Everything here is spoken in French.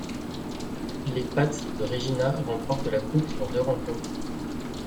Les Pats de Regina remportent la Coupe en deux rencontres.